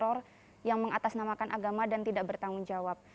yang mengalami tindak teror yang mengatasnamakan agama dan tidak bertanggung jawab